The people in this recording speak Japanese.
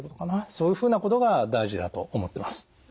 そういうふうなことが大事だと思ってます。